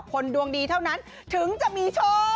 คนดวงดีเท่านั้นถึงจะมีโชค